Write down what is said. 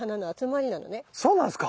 そうなんですか。